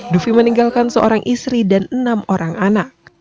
dufi meninggalkan seorang istri dan enam orang anak